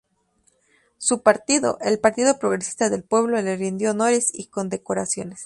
Su partido, el Partido Progresista del Pueblo le rindió honores y condecoraciones.